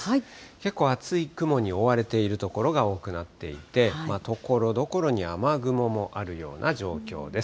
結構厚い雲に覆われている所が多くなっていて、ところどころに雨雲もあるような状況です。